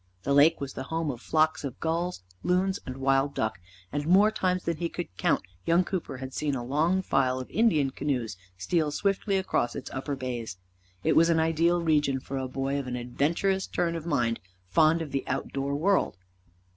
The Lake was the home of flocks of gulls, loons and wild duck, and more times than he could count young Cooper had seen a long file of Indian canoes steal swiftly across its upper bays. It was an ideal region for a boy of an adventurous turn of mind, fond of the outdoor world.